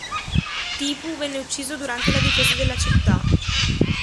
Tipu venne ucciso durante la difesa della città.